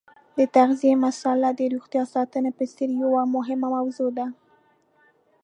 د تغذیې مساله د روغتیا ساتنې په څېر یوه مهمه موضوع ده.